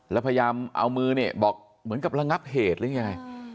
แล้วพยายามเอามือเนี่ยบอกเหมือนกับระงับเหตุหรือยังไง